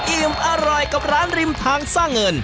อิ่มอร่อยกับร้านริมทางสร้างเงิน